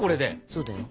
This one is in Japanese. そうだよ。